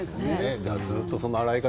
ずっとその洗い方。